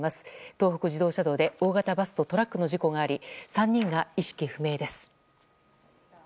東北自動車道で大型バスとトラックの事故があり３人が意識不明です。